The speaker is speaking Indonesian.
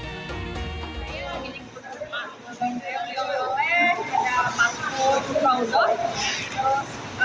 ini oleh oleh ada maklum kruzor sama dua kacang kacangan sama almond